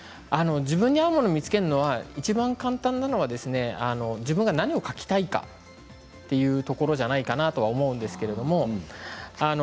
自分に合うものを見つけるのがいちばん簡単なのは自分が何を書きたいかというところじゃないかなと思います。